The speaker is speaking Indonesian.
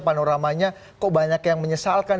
panoramanya kok banyak yang menyesalkan